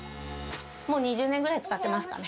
もう２０年ぐらい使ってますかね。